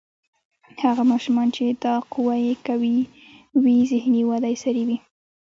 هغه ماشومان چې دا قوه یې قوي وي ذهني وده یې سریع وي.